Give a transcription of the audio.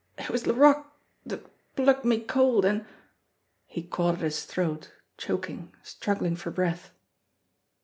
It was Laroque dat plugged me cold, an " He caught at his throat, choking, struggling for breath.